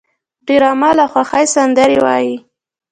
ډرامه له خوښۍ سندرې وايي